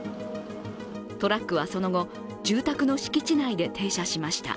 トラックはその後、住宅の敷地内で停車しました。